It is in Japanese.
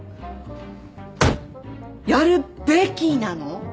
やるべきなの！？